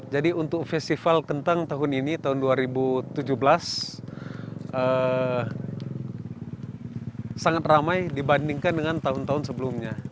jadi untuk festival kentang tahun ini tahun dua ribu tujuh belas sangat ramai dibandingkan dengan tahun tahun sebelumnya